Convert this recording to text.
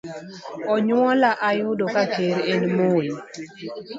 Onyuola ayudo ka ker en Moi.